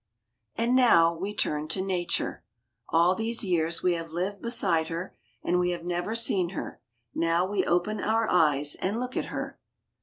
... And now we turn to nature. All these years we have lived beside her, and we have never seen her; now we open our eyes and look at her.